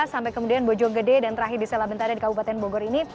sampai kemudian bojong gede dan terakhir di selabenda ada di kabupaten bogor ini